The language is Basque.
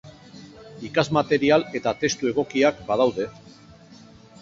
Ikasmaterial eta testu egokiak badaude.